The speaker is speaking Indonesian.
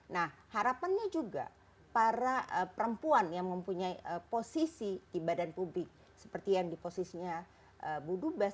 nah harapannya juga para perempuan yang mempunyai posisi di badan publik seperti yang di posisinya bu dubas